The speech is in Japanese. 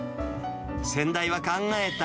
先代は考えた。